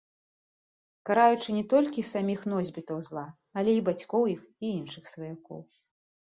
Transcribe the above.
Караючы не толькі саміх носьбітаў зла, але і бацькоў іх і іншых сваякоў.